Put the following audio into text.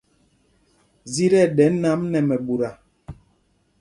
Zī tí ɛɗɛ nǎm nɛ mɛɓuta.